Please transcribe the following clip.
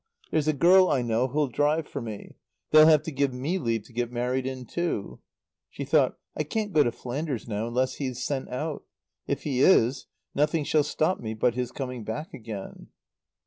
There's a girl I know who'll drive for me. They'll have to give me leave to get married in, too." She thought: "I can't go to Flanders now, unless he's sent out. If he is, nothing shall stop me but his coming back again."